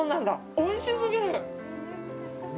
おいしすぎる！